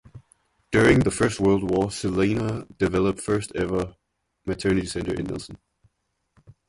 During the First World War Selina developed first ever Maternity Centre in Nelson.